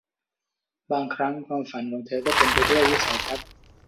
บางครั้งความฝันของเธอก็เต็มไปด้วยวิสัยทัศน์